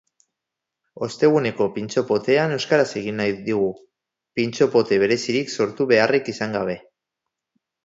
Osteguneko pintxo-potean euskaraz egin nahi dugu, pintxo-pote berezirik sortu beharrik izan gabe.